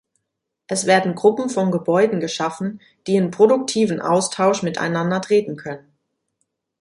Es werden Gruppen von Gebäuden geschaffen, die in produktiven Austausch miteinander treten können.